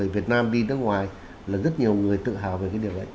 việt nam đi nước ngoài là rất nhiều người tự hào về cái điều đấy